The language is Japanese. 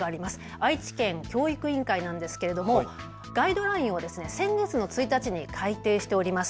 愛知県教育委員会なんですけれどもガイドラインを先月の１日に改訂しております。